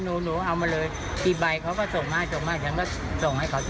นำภาพปลาหนึ่งกองไปให้เขา